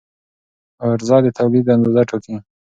عرضه د تولید اندازه ټاکي.